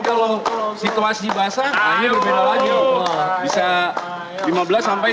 kalau untuk baju wear jacket ini memiliki ketahanan api kurang lebih seribu sampai seribu lima ratus